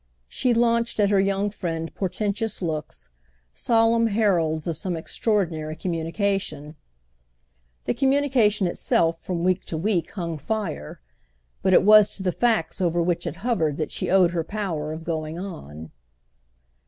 She launched at her young friend portentous looks, solemn heralds of some extraordinary communication. The communication itself, from week to week, hung fire; but it was to the facts over which it hovered that she owed her power of going on.